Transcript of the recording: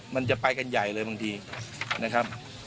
มันจะไปกันใหญ่เลยบางทีนะครับ